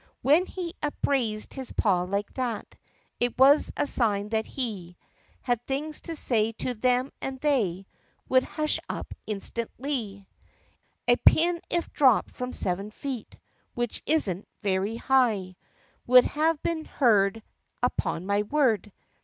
When he upraised his paw like that It was a sign that he Had things to say to them and they Would hush up instantlee. A pin if dropped from seven feet, Which is n't very high, Would have been heard (upon my word!)